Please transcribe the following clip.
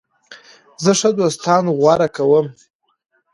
زه ښه دوستان غوره کوم.